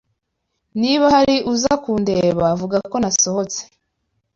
Niba hari uza kundeba, vuga ko nasohotse.